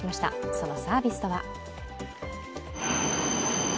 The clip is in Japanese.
そのサービスとは。